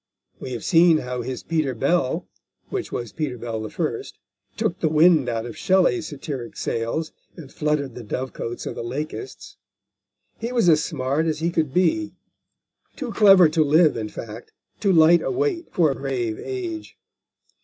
We have seen how his Peter Bell, which was Peter Bell the First, took the wind out of Shelley's satiric sails and fluttered the dove cotes of the Lakeists. He was as smart as he could be, too clever to live, in fact, too light a weight for a grave age.